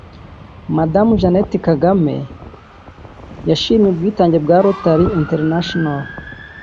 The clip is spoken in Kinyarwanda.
Madamu Jeannette Kagame yashimye ubwitange bwa Rotary International